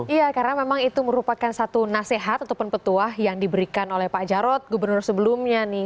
iya karena memang itu merupakan satu nasihat ataupun petuah yang diberikan oleh pak jarod gubernur sebelumnya nih